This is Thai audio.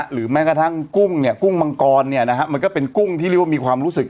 หรือแม้กระทั่งกุ้งเนี่ยกุ้งมังกรมันก็เป็นกุ้งที่เรียกว่ามีความรู้สึก